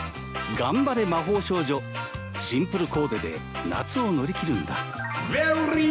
頑張れ魔法少女シンプルコーデで夏を乗り切るんだ・Ｖｅｒｙｓｉｍｐｌｅ！